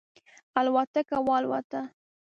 الوتکه والوته.